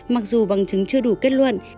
mặc dù bằng chứng chưa đủ kết luận